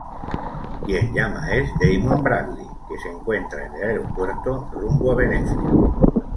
Quien llama es Damon Bradley, que se encuentra en el aeropuerto rumbo a Venecia.